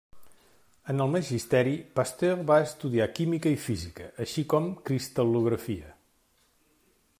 En el Magisteri, Pasteur va estudiar química i física, així com cristal·lografia.